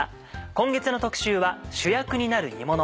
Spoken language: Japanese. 今月の特集は「主役になる煮もの」。